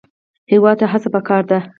هېواد ته هڅه پکار ده